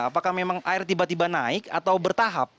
apakah memang air tiba tiba naik atau bertahap